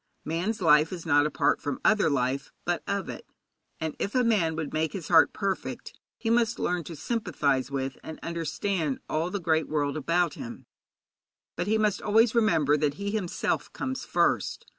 Man's life is not apart from other life, but of it, and if a man would make his heart perfect, he must learn to sympathize with and understand all the great world about him. But he must always remember that he himself comes first.